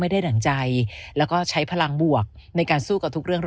ดั่งใจแล้วก็ใช้พลังบวกในการสู้กับทุกเรื่อง